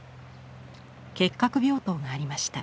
結核病棟がありました。